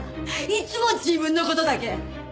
いつも自分の事だけ！